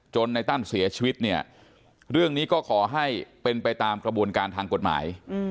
ในตั้นเสียชีวิตเนี่ยเรื่องนี้ก็ขอให้เป็นไปตามกระบวนการทางกฎหมาย